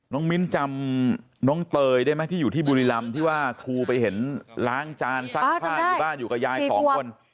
มิ้นจำน้องเตยได้ไหมที่อยู่ที่บุรีรำที่ว่าครูไปเห็นล้างจานซักผ้าอยู่บ้านอยู่กับยายสองคน